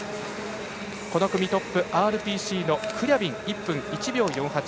この組トップＲＰＣのクリャビンが１分１秒４８。